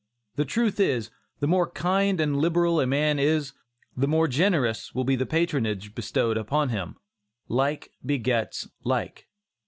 The truth is, the more kind and liberal a man is, the more generous will be the patronage bestowed upon him. "Like begets like."